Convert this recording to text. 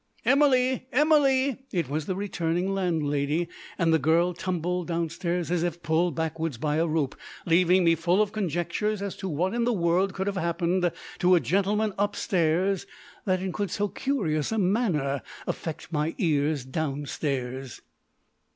"Emily, Emily!" It was the returning landlady, and the girl tumbled downstairs as if pulled backwards by a rope, leaving me full of conjectures as to what in the world could have happened to a gentleman upstairs that could in so curious a manner affect my ears downstairs.